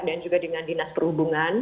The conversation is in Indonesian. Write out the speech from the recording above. dan juga dengan dinas perhubungan